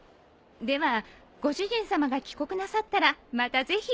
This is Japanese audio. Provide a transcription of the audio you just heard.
ではご主人さまが帰国なさったらまたぜひ。